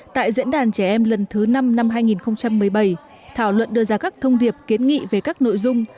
tại diễn đàn trẻ em lần thứ năm năm hai nghìn một mươi bảy thảo luận đưa ra các thông điệp kiến nghị về các nội dung